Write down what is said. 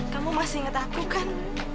kamu masih inget aku kan